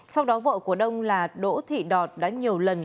sau đó vợ của đông là đỗ thị đọt đã nhiều lần